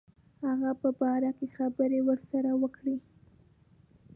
هغه په باره کې خبري ورسره وکړي.